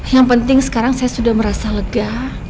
yang penting sekarang saya sudah merasa lega